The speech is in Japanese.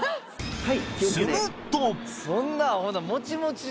はい。